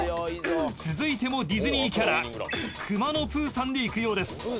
［続いてもディズニーキャラくまのプーさんでいくようです］